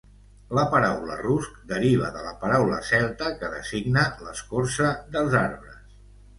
La paraula rusc deriva de la paraula celta que designa l'escorça dels arbres.